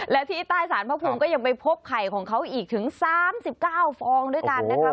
และที่ใต้สารพระภูมิก็ยังไปพบไข่ของเขาอีกถึง๓๙ฟองด้วยกันนะคะ